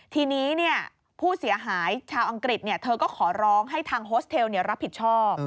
ทีนี้ผู้เสียหายชาวอังกฤษเธอก็ขอร้องให้ทางโฮสเทลรับผิดชอบ